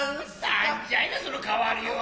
何じゃいなその変わりようは。